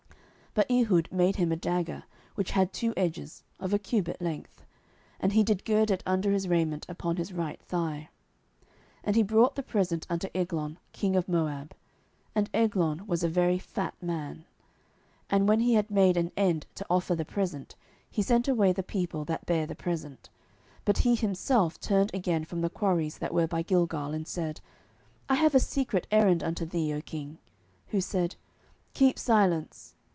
07:003:016 But Ehud made him a dagger which had two edges, of a cubit length; and he did gird it under his raiment upon his right thigh. 07:003:017 And he brought the present unto Eglon king of Moab: and Eglon was a very fat man. 07:003:018 And when he had made an end to offer the present, he sent away the people that bare the present. 07:003:019 But he himself turned again from the quarries that were by Gilgal, and said, I have a secret errand unto thee, O king: who said, Keep silence.